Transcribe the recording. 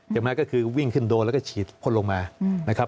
อย่างนั้นก็คือวิ่งขึ้นโดแล้วก็ฉีดพลลงมา